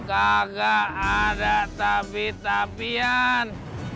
kaga ada tapi tapian